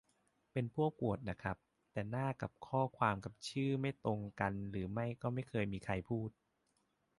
เป็นพวกโควตน่ะครับ แต่หน้ากับข้อความกับชื่อมันไม่ตรงกันหรือไม่ก็ไม่เคยมีใครเคยพูด